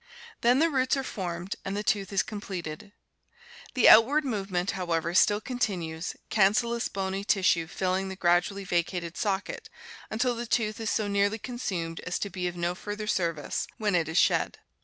Then the roots are formed and the tooth is completed. The outward movement,, however, still continues, cancellous bony tissue filling the gradually vacated socket until the tooth is so nearly consumed as to be of no further service, when it is shed.